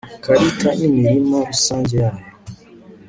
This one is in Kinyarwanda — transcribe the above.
karita n'imirima rusange yayo